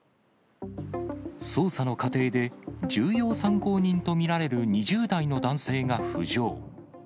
捜査の過程で、重要参考人と見られる２０代の男性が浮上。